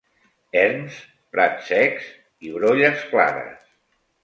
Erms, prats secs i brolles clares.